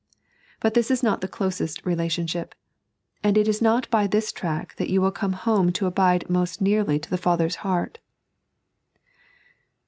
But this is not the closest relationship; and it is not by this track that you will come home to abide meet nearly to the Father's heart.